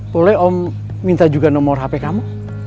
boleh om minta juga nomor hp kamu